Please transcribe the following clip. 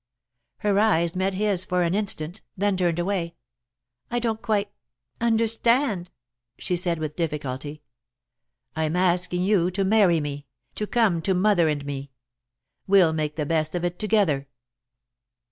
Her eyes met his for an instant, then turned away. "I don't quite understand," she said, with difficulty. "I'm asking you to marry me to come to mother and me. We'll make the best of it together."